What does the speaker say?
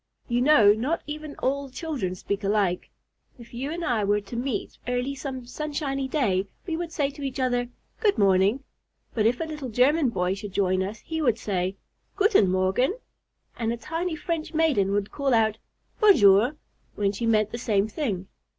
You know not even all children speak alike. If you and I were to meet early some sunshiny day, we would say to each other, "Good morning," but if a little German boy should join us, he would say, "Guten Morgen," and a tiny French maiden would call out, "Bon jour," when she meant the same thing.